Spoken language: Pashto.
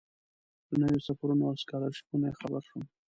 له نویو سفرونو او سکالرشیپونو یې خبر شم.